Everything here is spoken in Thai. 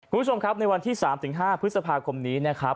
คุณผู้ชมครับในวันที่๓๕พฤษภาคมนี้นะครับ